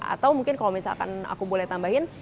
atau mungkin kalau misalkan aku boleh tambahin